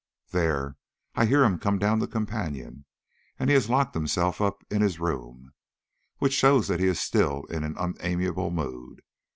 There, I hear him come down the companion, and he has locked himself up in his room, which shows that he is still in an unamiable mood.